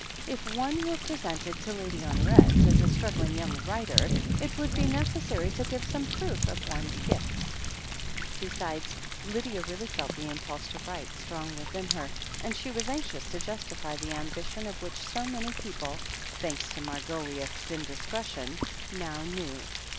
If one were presented to Lady Honoret as a struggling young writer, it would be necessary to give some proof of one's gifts. Besides, Lydia really felt the impulse to write strong within her, and she was anxious to justify the ambition of which so many people, thanks to Margoliouth's indiscretion, now knew.